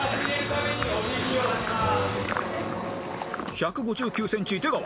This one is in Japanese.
［１５９ｃｍ出川］